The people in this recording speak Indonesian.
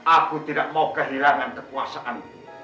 aku tidak mau kehilangan kekuasaan